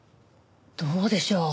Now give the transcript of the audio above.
どうでしょう。